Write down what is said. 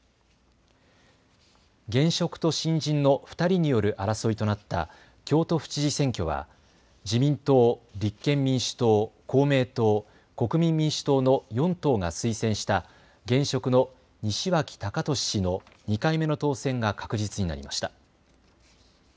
現職と新人の２人による争いとなった京都府知事選挙は自民党、立憲民主党、公明党、国民民主党の４党が推薦した現職の西脇隆俊氏の２回目の当選が確実になりました。